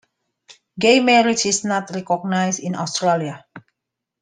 Gay marriage is not recognised in Australia.